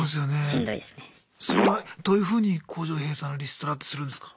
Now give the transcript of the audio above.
それはどういうふうに工場閉鎖のリストラってするんですか？